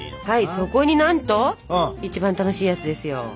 はいそこになんと一番楽しいやつですよ。